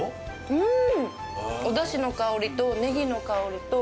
うん。